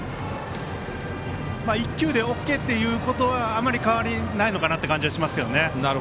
１球でＯＫということはあまり変わりないのかなという感じはしますけどね。